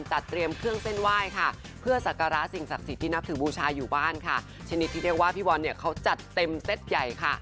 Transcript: ชนิดที่เรียกว่าพี่บอลเนี่ยเขาจัดเต็มเซ็ตใหญ่ค่ะ